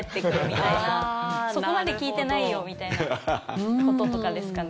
そこまで聞いてないよみたいな事とかですかね。